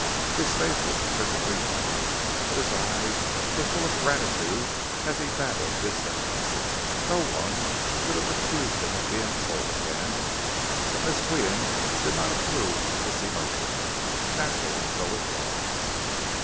His face was perfectly white, but his eyes were full of gratitude as he babbled his thanks. No one could have accused him of being cold then. But Miss Qian did not approve of this emotion, natural though it was.